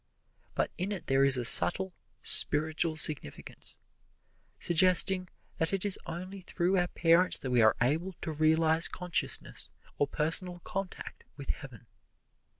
But in it there is a subtle, spiritual significance, suggesting that it is only through our parents that we are able to realize consciousness or personal contact with Heaven.